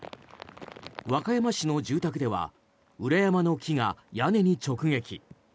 和歌山市の住宅では裏山の木が屋根に直撃。